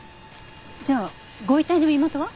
じゃあご遺体の身元は？